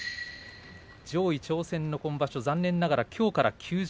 上位挑戦の場所、残念ながらきょうから休場。